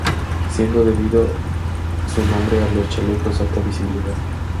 Siendo debido su nombre a los chalecos de alta visibilidad